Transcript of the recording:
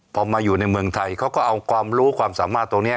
พอมาอยู่ในเมืองไทยเขาก็เอาความรู้ความสามารถตรงนี้